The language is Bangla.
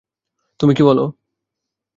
তুমি কি বলো?